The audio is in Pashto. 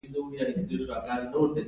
د فزیک هره ورځ نوې ده.